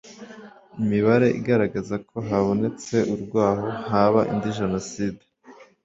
imibare igaragaza ko habonetse urwaho haba indi jenoside